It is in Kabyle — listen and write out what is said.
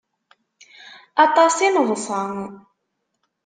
Aṭas i neḍsa.